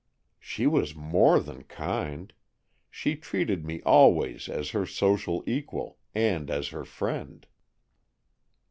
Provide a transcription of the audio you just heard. "She was more than kind. She treated me always as her social equal, and as her friend."